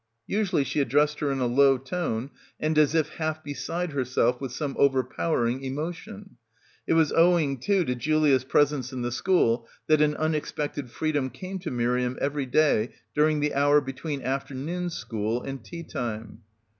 Usually she addressed her in a low tone and as if half beside herself with some overpowering emotion. It was owing too to Julia's presence in the school that an unexpected freedom came to Miriam every day during the hour between afternoon school and . tea time.